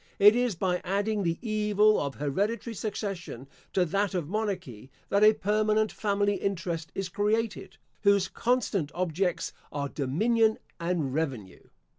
It is by adding the evil of hereditary succession to that of monarchy, that a permanent family interest is created, whose constant objects are dominion and revenue.